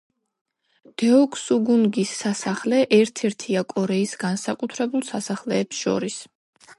დეოკსუგუნგის სასახლე ერთ-ერთია კორეის განსაკუთრებულ სასახლეებს შორის.